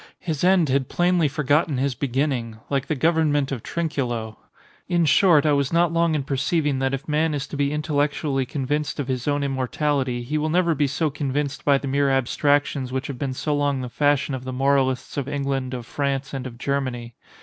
His end had plainly forgotten his beginning, like the government of Trinculo. In short, I was not long in perceiving that if man is to be intellectually convinced of his own immortality, he will never be so convinced by the mere abstractions which have been so long the fashion of the moralists of England, of France, and of Germany.